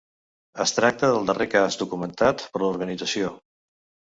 Es tracta del darrer cas documentat per l’organització.